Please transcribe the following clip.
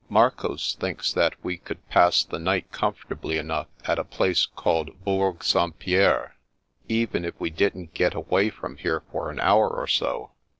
Marcoz thinks that we could pass the night comfortably enough at a place called Bourg St. Pierre, even if we didn't get away from here for an hour or so.